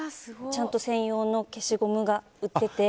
ちゃんと専用の消しゴムが売ってて。